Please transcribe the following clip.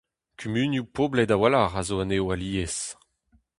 Kumunioù poblet a-walc'h a zo anezho alies.